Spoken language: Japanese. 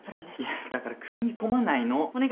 いやだから組み込まないの。